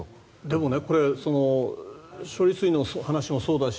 でもね処理水の話もそうだし